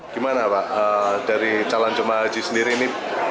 gimana pak dari calon jemaah haji sendiri ini